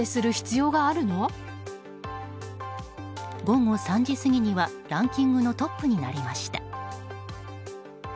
午後３時過ぎにはランキングのトップになりました。